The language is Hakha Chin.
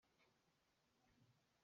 Ka ṭhut nak sia a rem lo caah kaa ṭhial.